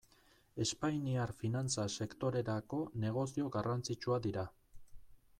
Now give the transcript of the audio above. Espainiar finantza sektorerako negozio garrantzitsua dira.